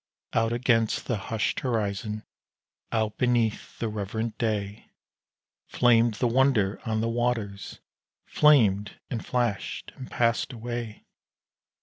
Out against the hushed horizon out beneath the reverent day, Flamed the Wonder on the waters flamed and flashed and passed away.